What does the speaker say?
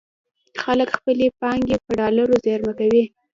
خلک خپلې پانګې په ډالرو زېرمه کوي.